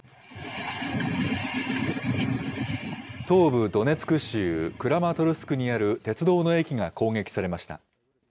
東部ドネツク州、クラマトルスクにある鉄道の駅が攻撃されました。